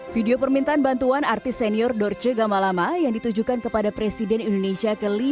video permintaan bantuan artis senior dorce gamalama yang ditujukan kepada presiden indonesia ke lima